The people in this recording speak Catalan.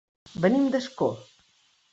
Venim d'Ascó.